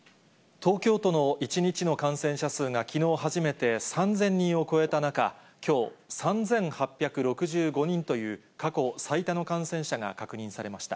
東京都の１日の感染者数が、きのう初めて３０００人を超えた中、きょう、３８６５人という過去最多の感染者が確認されました。